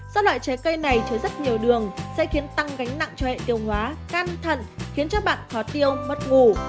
do loại trái cây này chứa rất nhiều đường sẽ khiến tăng gánh nặng cho hệ tiêu hóa can thận khiến cho bặt khó tiêu mất ngủ